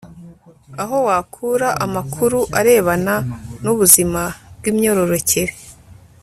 aho wakura amakuru arebana n ubuzima bw imyororokere